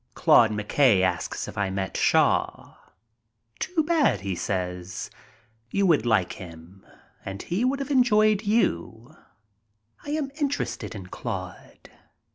Claude McKay asks if I met Shaw. "Too bad," he says. "You would like him and he would have enjoyed you." I am interested in Claude.